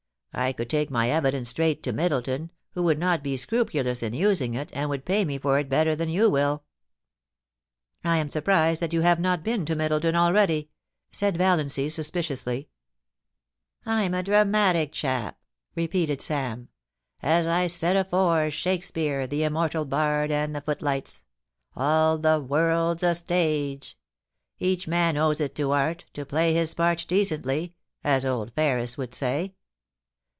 I could take my evidence straight to Middleton, who would not be scrupulous in using it, and would pay me for it better than you will' * I am surprised that you have not been to Middleton already,' said Valiancy, suspiciously. * I'm a dramatic chap,' repeated Sam. * As I said afore. 328 POLICY AND PASSION . Shakespeare, the immortal bard, and the footlights. All the world^s a stage. Each man owes it to art, to play his part decently, as old Ferris would say.